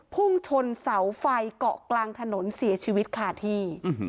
พุ่งชนเสาไฟเกาะกลางถนนเสียชีวิตคาที่